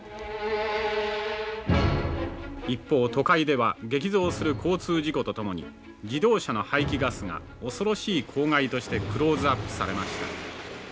「一方都会では激増する交通事故とともに自動車の排気ガスが恐ろしい公害としてクローズアップされました」。